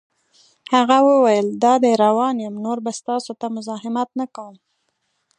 هغه وویل: دادی روان یم، نور به ستاسو ته مزاحمت نه کوم.